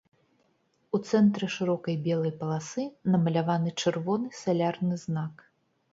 У цэнтры шырокай белай паласы намаляваны чырвоны салярны знак.